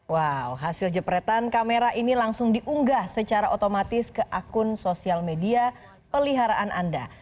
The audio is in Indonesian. wow hasil jepretan kamera ini langsung diunggah secara otomatis ke akun sosial media peliharaan anda